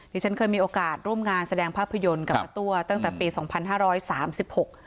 ที่ฉันเคยมีโอกาสร่วมงานแสดงภาพยนตร์กับมะตั้วตั้งแต่ปีสองพันห้าร้อยสามสิบหก